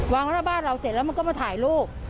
หน้าบ้านเราเสร็จแล้วมันก็มาถ่ายรูป